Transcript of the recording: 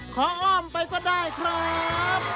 อ้อมไปก็ได้ครับ